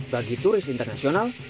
bagi turis internasional